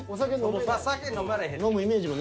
お酒飲まれへん。